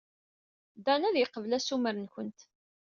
Dan ad yeqbel assumer-nwent.